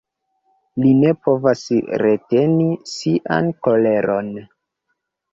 Li ne povas reteni sian koleron.